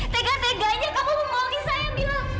tegak tegaknya kamu memohon saya mila